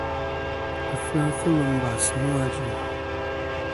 Afɨ-a fel mbas nô ajuŋ.